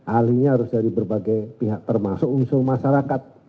ahlinya harus dari berbagai pihak termasuk unsur masyarakat